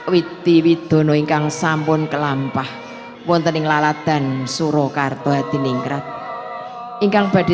widi widono ingkang sampun kelampah montening lalatan suruh kartu hati ningkrat ingkang badi